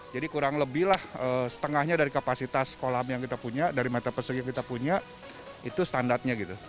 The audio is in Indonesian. jadi kurang lebih setengahnya dari kapasitas kolam yang kita punya dari mata pesek yang kita punya itu standarnya